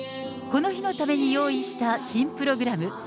この日のために用意した新プログラム。